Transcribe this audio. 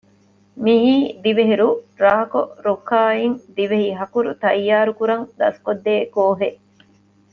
މިއީ ދިވެހި ރުއް ރާކޮށް ރުކުރާއިން ދިވެހިހަކުރު ތައްޔާރުކުރަން ދަސްކޮށްދޭ ކޯހެއް